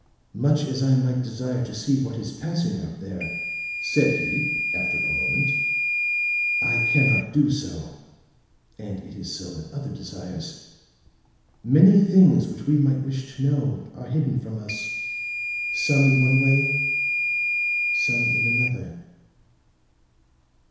"Much as I might desire to see what is passing out there," said he, after a moment, "I cannot do so. And it is so with other desires. Many things which we might wish to know are hidden from us, some in one way, some in another."